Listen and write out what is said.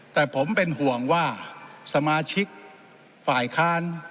แต่ผมเป็นห่วงว่าสมาชิกฝ่ายค้าน